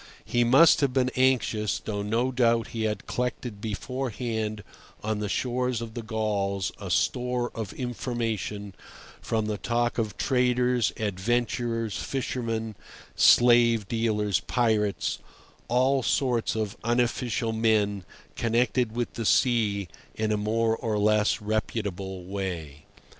He must have been anxious, though no doubt he had collected beforehand on the shores of the Gauls a store of information from the talk of traders, adventurers, fishermen, slave dealers, pirates—all sorts of unofficial men connected with the sea in a more or less reputable way.